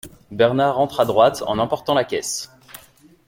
Bernard entre à droite en emportant la caisse.